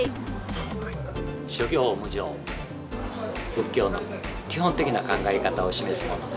仏教の基本的な考え方を示すものです。